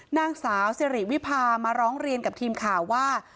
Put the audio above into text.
นางสาวสิริวิพามาร้องเรียนกับทีมข่าวว่า